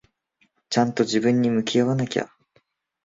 ちゃんと自分に向き合わなきゃ。